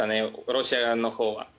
ロシア側のほうは。